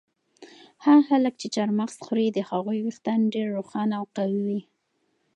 هغه خلک چې چهارمغز خوري د هغوی ویښتان ډېر روښانه او قوي وي.